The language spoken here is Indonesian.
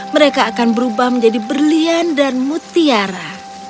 mereka akan berubah menjadi berlian dan mutiara